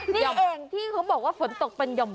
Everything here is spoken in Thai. นี่เองที่เขาบอกว่าฝนตกเป็นห่อม